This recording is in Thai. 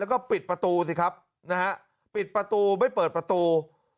แล้วก็ปิดประตูสิครับนะฮะปิดประตูไม่เปิดประตู